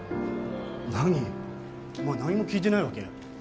お前何も聞いてないわけ？